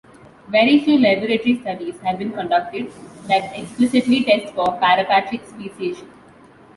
Very few laboratory studies have been conducted that explicitly test for parapatric speciation.